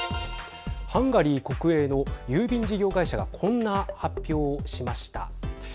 ハンガリー国営の郵便事業会社がこんな発表をしました。